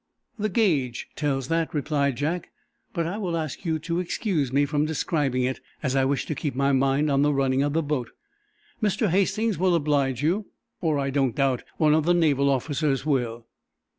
"The gauge tells that," replied Jack. "But I will ask you to excuse me from describing it, as I wish to keep my mind on the running of the boat. Mr. Hastings will oblige you; or, I don't doubt, one of the naval officers will."